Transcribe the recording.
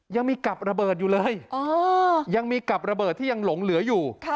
ยังมีกับระเบิดอยู่เลยยังมีกับระเบิดที่ยังหลงเหลืออยู่